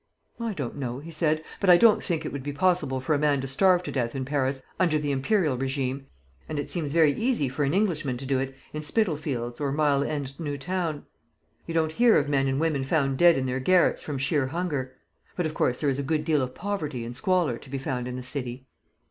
"I don't know," he said, "but I don't think it would be possible for a man to starve to death in Paris under the Imperial regime; and it seems very easy for an Englishman to do it in Spitalfields or Mile end New Town. You don't hear of men and women found dead in their garrets from sheer hunger. But of course there is a good deal of poverty and squalor to be found in the city."